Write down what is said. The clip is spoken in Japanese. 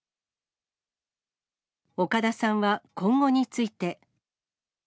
岡田さんは今後について。